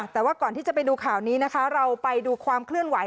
แต่ว่าก่อนที่จะไปดูข่าวนี้นะคะเราไปดูความเคลื่อนไหว